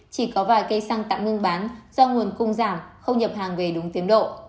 chỉ có vài cây xăng tạm ngưng bán do nguồn cung giảm không nhập hàng về đúng tiến độ